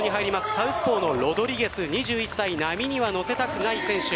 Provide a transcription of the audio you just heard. サウスポーのロドリゲス、２１歳波には乗せたくない選手